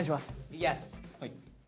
いきやす！